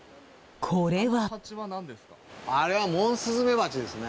これは。